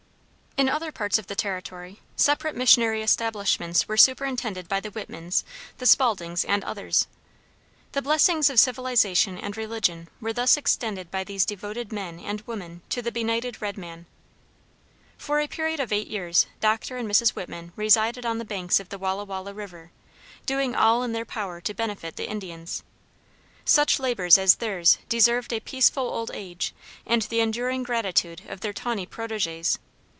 In other parts of the territory, separate missionary establishments were superintended by the Whitmans, the Spauldings, and others. The blessings of civilization and religion were thus extended by these devoted men and women to the benighted red man. For a period of eight years Dr. and Mrs. Whitman resided on the banks of the Walla Walla River, doing all in their power to benefit the Indians. Such labors as theirs deserved a peaceful old age, and the enduring gratitude of their tawny protégés.